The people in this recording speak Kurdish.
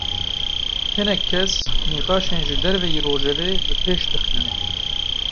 Hinek kes, nîqaşên ji derveyî rojevê bi pêş dixînin